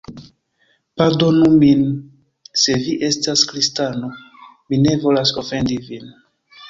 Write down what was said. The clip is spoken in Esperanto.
Pardonu min se vi estas kristano, mi ne volas ofendi vin.